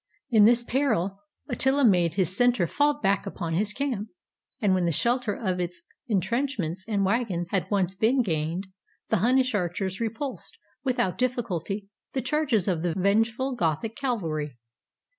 In this peril Attila made his center fall back upon his camp; and when the shelter of its intrenchments and wagons had once been gained, the Hunnish archers repulsed, without difficulty, the charges of the vengeful Gothic cavalry.